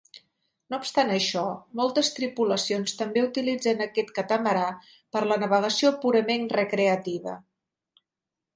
No obstant això, moltes tripulacions també utilitzen aquest catamarà per a la navegació purament recreativa.